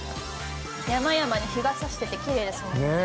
山々に日が差しててきれいですもんね。